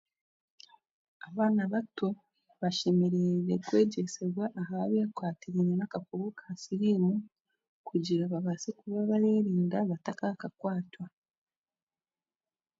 Abaana bato bashemereire kwegyesibwa aha bikwatiriine n'akakooko ka siriimu kugira babaase kwerinda batakakakwatwa